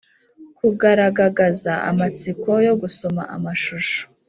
-kugaragagaza amatsiko yo gusoma amashusho